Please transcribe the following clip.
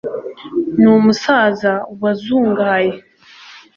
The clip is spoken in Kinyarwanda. Ni umusaza wazungahaye